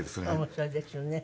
面白いですよね。